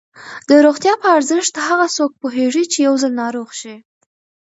د روغتیا په ارزښت هغه څوک پوهېږي چې یو ځل ناروغ شي.